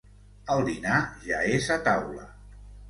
El dinar ja és a taula.